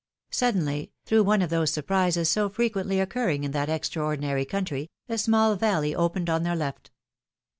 Suddenly, through one of those surprises so frequently occurring in that extraordinary country, a small valley opened on their left.